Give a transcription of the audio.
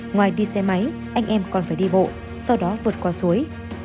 ngoài đi xe máy anh em còn phải đi bộ sau đó vượt qua suối